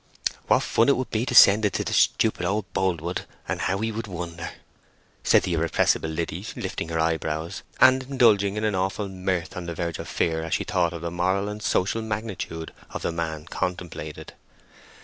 "What fun it would be to send it to the stupid old Boldwood, and how he would wonder!" said the irrepressible Liddy, lifting her eyebrows, and indulging in an awful mirth on the verge of fear as she thought of the moral and social magnitude of the man contemplated.